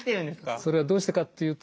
それはどうしてかっていうと